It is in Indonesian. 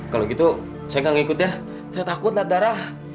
kalau gitu saya nggak ngikut ya saya takut dan darah